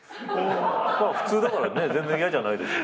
普通だからね全然嫌じゃないですけど。